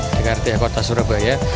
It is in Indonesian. dengan arti kota surabaya